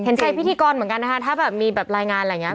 เห็นใจพิธีกรเหมือนกันนะคะถ้าแบบมีแบบรายงานอะไรอย่างนี้